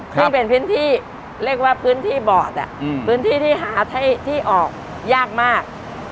ซึ่งเป็นพื้นที่เรียกว่าพื้นที่บอดพื้นที่ที่หาที่ออกยากมาก